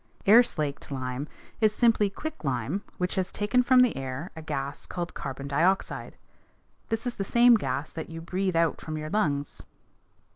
Air slaked lime is simply quicklime which has taken from the air a gas called carbon dioxide. This is the same gas that you breathe out from your lungs.